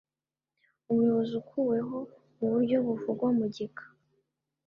umuyobozi ukuweho mu buryo buvugwa mu gika